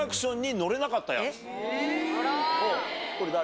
これ誰？